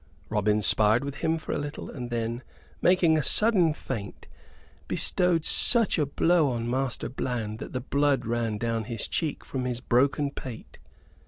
Robin sparred with him for a little, and then, making a sudden feint, bestowed such a blow on Master Bland that the blood ran down his cheek from his broken pate.